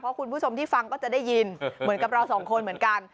เพราะคุณผู้ชมที่ฟังก็จะได้ยินเหมือนกับเราสองคนเหมือนกัน